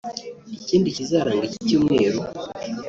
Ikindi kizaranga iki cyumweru